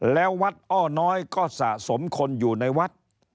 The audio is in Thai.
แล้ววัดอ้อน้อยก็สะสมคนอยู่ในวัด